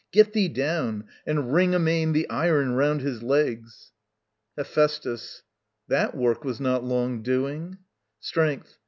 Get thee down And ring amain the iron round his legs. Hephæstus. That work was not long doing. _Strength.